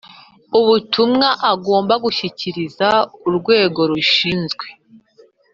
ubutumwa agomba gushyikiriza Urwego rubishinzwe